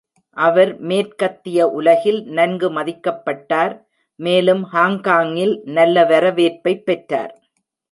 அவர் மேற்கத்திய உலகில் நன்கு மதிக்கப்பட்டார். மேலும் ஹாங்காங்கில் நல்ல வரவேற்பைப் பெற்றார்.